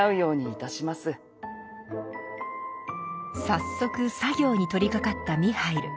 早速作業に取りかかったミハイル。